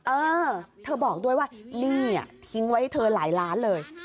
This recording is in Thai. เออเธอบอกด้วยว่าหนี้ทิ้งไว้เธอหลายล้านเลย